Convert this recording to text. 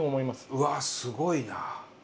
うわすごいな。